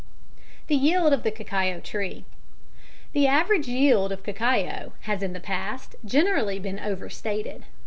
6 " 280 The Yield of the Cacao Tree. The average yield of cacao has in the past generally been over stated.